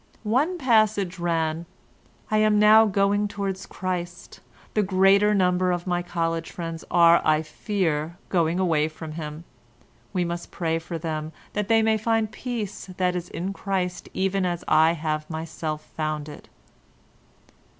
One passage ran: "I am now going towards Christ; the greater number of my college friends are, I fear, going away from Him; we must pray for them that they may find the peace that is in Christ even as I have myself found it."